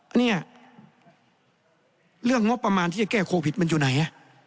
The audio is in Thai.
เนี่ยเรื่องงบประมาณที่จะแก้โควิดมันอยู่ไหน